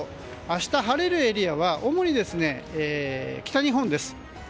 明日、晴れるエリアは主に北日本です。